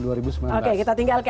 oke kita tinggalkan